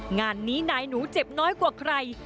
งานนี้นายหนูเจ็บน้อยกว่าใคร